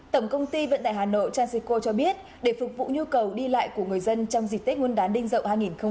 tổng công ty vận tải hà nội transico cho biết để phục vụ nhu cầu đi lại của người dân trong dịp tết nguyên đán đinh dậu hai nghìn hai mươi